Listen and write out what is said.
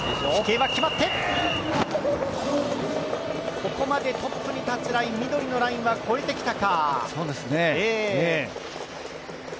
ここまでトップに立つライン、緑のラインは越えてきたか。